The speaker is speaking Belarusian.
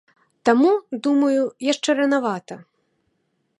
Таму, думаю, яшчэ ранавата.